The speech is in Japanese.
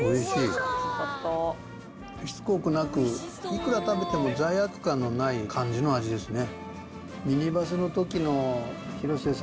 しつこくなくいくら食べても罪悪感のない感じの味ですね。